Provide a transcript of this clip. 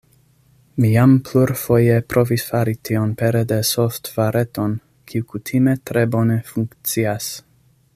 Mi jam plurfoje provis fari tion pere de softvareton, kiu kutime tre bone funkcias.